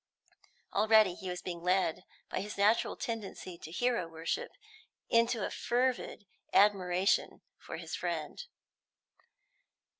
Already he was being led by his natural tendency to hero worship into a fervid admiration for his friend.